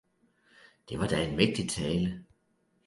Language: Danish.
Det var da en mægtig tale!